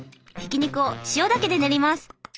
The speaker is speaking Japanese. ひき肉を塩だけで練ります。